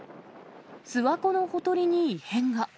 諏訪湖のほとりに異変が。